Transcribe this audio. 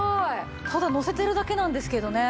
ただのせてるだけなんですけどね